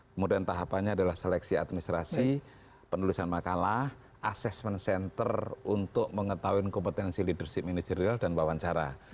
kemudian tahapannya adalah seleksi administrasi penulisan makalah assessment center untuk mengetahui kompetensi leadership managerial dan wawancara